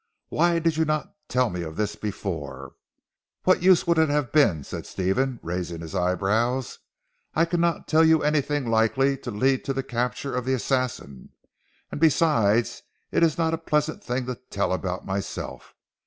Why did you not tell me of this before?" "What use would it have been?" said Stephen raising his eyebrows, "I cannot tell you anything likely to lead to the capture of the assassin, and beside it is not a pleasant thing to tell about myself.